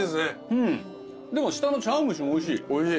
でも下の茶わん蒸しもおいしい。